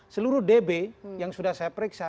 seluruh db yang sudah saya periksa